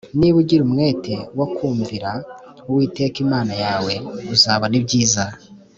niba ugira umwete wo kumvira uwiteka imana yawe uzabona ibyiza